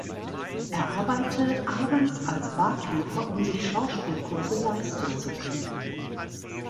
Er arbeite Abends als Barkeeper um sich Schauspielkurse leisten zu können.